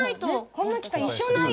こんな機会一生ないよ！